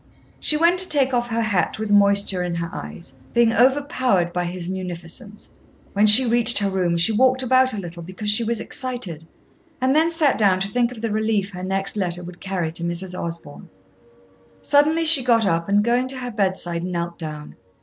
She went to take off her hat with moisture in her eyes, being overpowered by his munificence. When she reached her room she walked about a little, because she was excited, and then sat down to think of the relief her next letter would carry to Mrs. Osborn. Suddenly she got up, and, going to her bedside, knelt down.